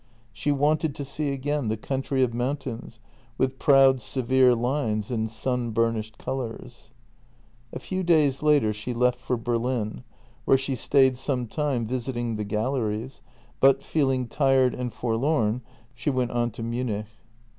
She wanted to see again the country of mountains, with proud, severe lines and sunburnished colours. A few days later she left for Berlin, where she stayed some time visiting the galleries, but, feeling tired and forlorn, she went on the Munich.